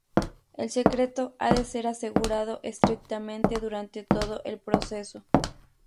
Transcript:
El secreto ha de ser asegurado estrictamente durante todo el proceso.